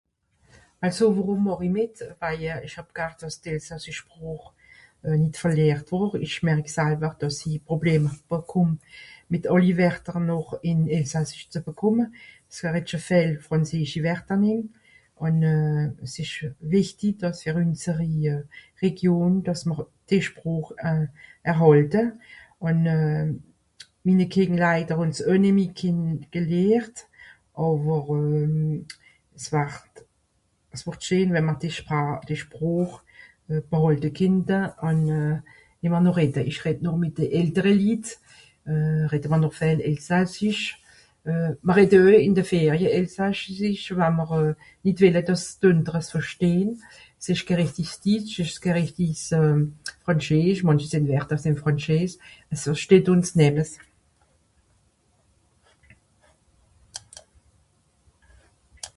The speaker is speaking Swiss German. Also, worùm màch i mìt ? Waje ìch hab gar, dass d'elsassisch Sproch euh... nìt verlìert wùr. Ìch merrick salwer, dàss i Problem bekùmm mìt àlli Werter noch ìn elsassisch ze bekùmme. (...) Frànzeeschi Werter nin. Ùn euh... s'ìsch wìchti dàs fer ünseri Region, dàss mìr de Sproch erhàlte. Ùn (...) gelehrt. Àwer euh... s'ward... s'ward scheen, we'mr d'Spra... d'Sproch bhàte kennte ùn euh... ìmmer noch redde. Ìch redd noch mìt de Eltere Litt. Redde m'r noch (...) Elsassisch. Euh... Mìr redde oe ìn de Ferie Elsassische, wa'mr nìt wìlle, dàss d àndere es verstehn. S'ìsch ke rìchtis Ditsch, s'ìsch ke rìchtis frànzeesch. Mànchi sìnn ... d'Werter sìnn frànzeesch. So versteht ùns nìemes.